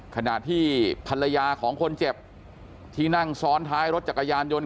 ขณะที่ภรรยาของคนเจ็บที่นั่งซ้อนท้ายรถจักรยานยนต์